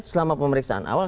selama pemeriksaan awal